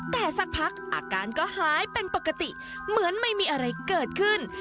แต่สักพักอาการก็หายเป็นปกติเหมือนไม่มีอะไรเกิดขึ้น